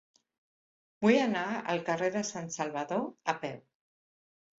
Vull anar al carrer de Sant Salvador a peu.